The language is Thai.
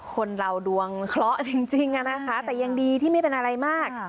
คนเราดวงเคราะห์จริงนะคะแต่ยังดีที่ไม่เป็นอะไรมาก